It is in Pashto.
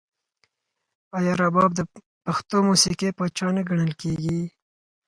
آیا رباب د پښتو موسیقۍ پاچا نه ګڼل کیږي؟